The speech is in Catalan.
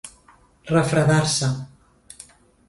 Refredar-se